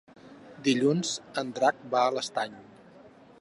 Dilluns en Drac va a l'Estany.